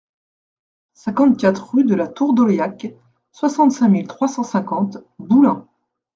cinquante-quatre rue de la Tour d'Oléac, soixante-cinq mille trois cent cinquante Boulin